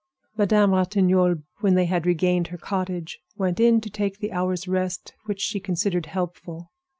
Madame Ratignolle, when they had regained her cottage, went in to take the hour's rest which she considered helpful.